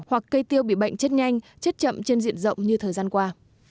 hoặc cây tiêu bị bệnh chất nhanh chất chậm trên diện rộng như thời gian qua